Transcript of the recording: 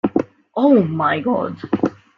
Oh, my God!